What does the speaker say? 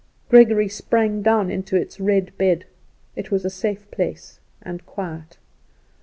Gregory sprung down into its red bed. It was a safe place, and quiet.